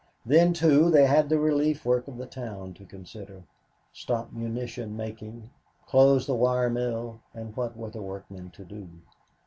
Then, too, they had the relief work of the town to consider. Stop munition making, close the wire mill, and what were the workmen to do?